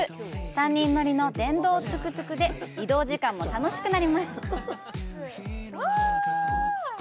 ３人乗りの電動トゥクトゥクで、移動時間も楽しくなります！